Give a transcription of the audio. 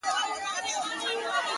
نه چا خبره پکښی کړه نه یې ګیلې کولې-